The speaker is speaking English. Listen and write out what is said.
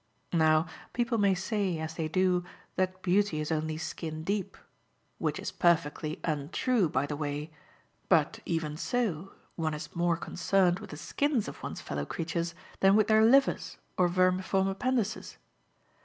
Now people may say, as they do, that beauty is only skin deep which is perfectly untrue, by the way; but even so, one is more concerned with the skins of one's fellow creatures than with their livers or vermiform appendices.